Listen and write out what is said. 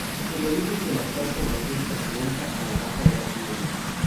El origen de la actual población se remonta a la Baja Edad Media.